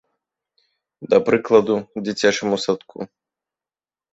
Да прыкладу, дзіцячаму садку.